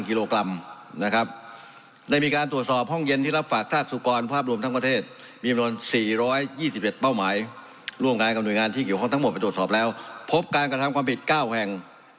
กิโลกรัมนะครับได้มีการตรวจสอบห้องเย็นที่รับฝากธาตุสุกรภาพรวมทั้งประเทศมีจำนวน๔๒๑เป้าหมายร่วมงานกับหน่วยงานที่เกี่ยวข้องทั้งหมดไปตรวจสอบแล้วพบการกระทำความผิด๙แห่ง